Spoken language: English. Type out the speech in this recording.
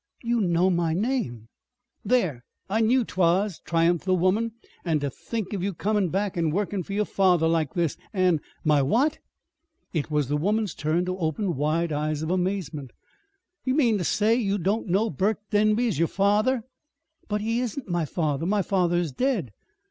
"You know my name?" "There! I knew 'twas," triumphed the woman. "An' ter think of you comin' back an' workin' fur yer father like this, an' " "My what?" It was the woman's turn to open wide eyes of amazement. "Do you mean to say you don't know Burke Denby is your father?" "But he isn't my father! My father is dead!"